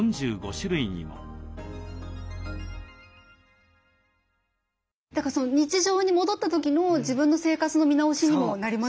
日常に戻った時の自分の生活の見直しにもなりますよね。